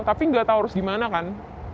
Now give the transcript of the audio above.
tapi gak tau harus gimana kan